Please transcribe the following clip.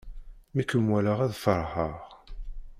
Mi kem-walaɣ ad feṛḥeɣ.